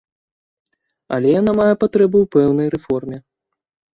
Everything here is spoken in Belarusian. Але яна мае патрэбу ў пэўнай рэформе.